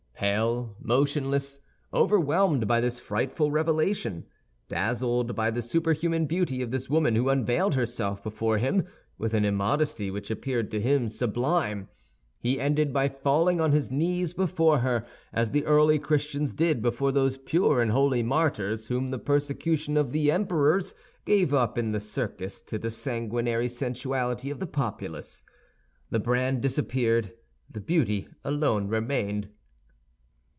Pale, motionless, overwhelmed by this frightful revelation, dazzled by the superhuman beauty of this woman who unveiled herself before him with an immodesty which appeared to him sublime, he ended by falling on his knees before her as the early Christians did before those pure and holy martyrs whom the persecution of the emperors gave up in the circus to the sanguinary sensuality of the populace. The brand disappeared; the beauty alone remained.